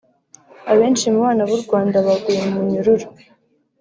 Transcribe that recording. abenshi mu bana b’u Rwanda baguye mu munyururu